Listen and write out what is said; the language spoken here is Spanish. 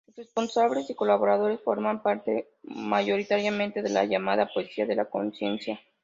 Sus responsables y colaboradores forman parte, mayoritariamente, de la llamada poesía de la conciencia.